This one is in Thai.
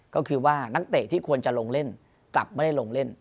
ก็คือว่านักเตะที่ควรจะลงเล่นกลับไม่ได้ลงเล่น